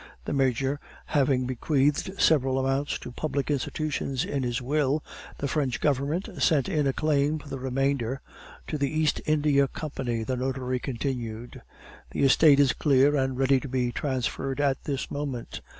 "The Major having bequeathed several amounts to public institutions in his will, the French Government sent in a claim for the remainder to the East India Company," the notary continued. "The estate is clear and ready to be transferred at this moment.